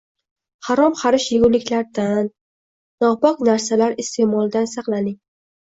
Harom-xarish yeguliklarlardan, nopok narsalar iste’molidan saqlaning.